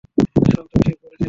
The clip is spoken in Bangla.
অ্যানসন, তুমি ঠিক বলেছিলে।